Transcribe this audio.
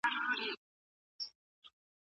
انا غوښتل چې د ماشوم له ستوني لاس لرې کړي.